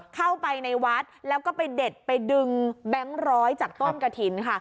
เข้าไปในวัดแล้วก็ไปเด็ดไปดึงแบงค์ร้อยจากต้นกระถิ่นค่ะ